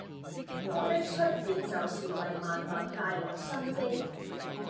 我的出現就是為萬物帶來生機